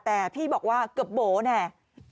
แต่พี่บอกว่าเกือบโบ๋แน่